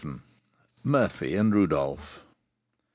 MURPHY AND RODOLPH.